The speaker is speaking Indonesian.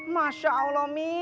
masya allah mi